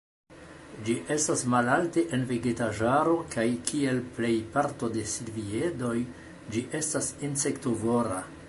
Ĝi estas malalte en vegetaĵaro, kaj, kiel plej parto de silviedoj, ĝi estas insektovora.